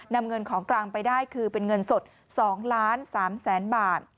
นำเงินของกลางไปได้คือเป็นเงินสด๒ล้าน๓แสนบาท